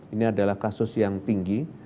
ini adalah kasus yang tinggi